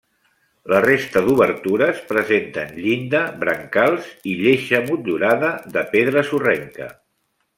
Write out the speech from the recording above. La resta d'obertures presenten llinda, brancals i lleixa motllurada de pedra sorrenca.